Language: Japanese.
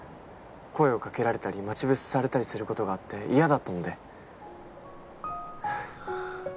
声をかけられたり待ち伏せされたりすることがあって嫌だったので。